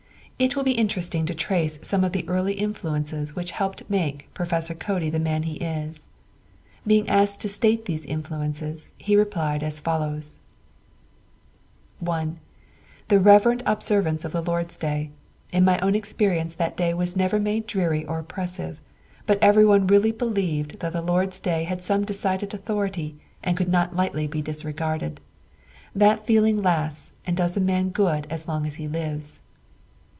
It will be interesting to trace some of the early influences which helped to make Prof. Cody the man he is. Being asked to state these influences he replied as follows: "1. The reverent observance of the Lord's Day. In my own experience that day was never made dreary or oppressive; but everyone really believed that the Lord's Day had some decided authority, and could not lightly be disregarded. That feeling lasts and does a man good as long as he lives.